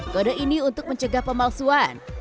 kode ini untuk mencegah pemalsuan